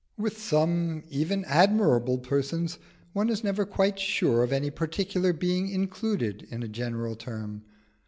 With some even admirable persons, one is never quite sure of any particular being included under a general term.